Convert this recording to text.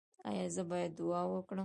ایا زه باید دعا وکړم؟